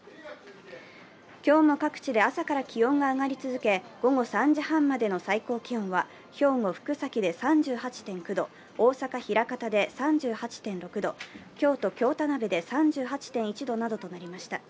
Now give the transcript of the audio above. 今日も各地で朝から気温が上がり続け、午後３時半までの最高気温は兵庫・福崎で３８．９度大阪・枚方で３８．６度、京都京田辺で３８．１度などとなりました。